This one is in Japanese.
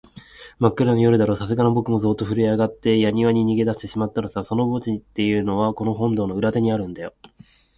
まっくらな夜だろう、さすがのぼくもゾーッとふるえあがって、やにわに逃げだしてしまったのさ。その墓地っていうのは、この本堂の裏手にあるんだよ。